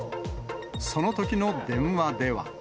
そのときの電話では。